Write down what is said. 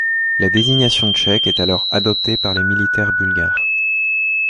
La désignation tchèque est alors adoptée par les militaires bulgares.